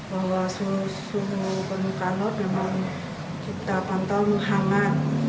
bahwa suhu penuh kalor memang kita pantau menghangat